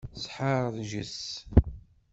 Sḥerges.